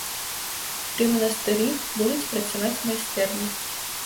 Пры манастыры будуць працаваць майстэрні.